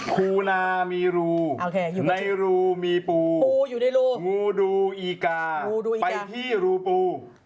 คูนามีรูในรูมีปู่งูดูอีกาไปที่รูปู่งูดูอีกาไปที่รูปู่